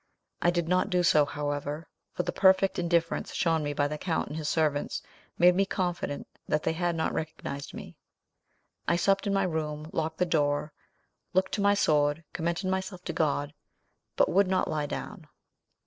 I did not do so, however, for the perfect indifference shown by the count and his servants made me confident that they had not recognised me. I supped in my room, locked the door, looked to my sword, commended myself to God, but would not lie down.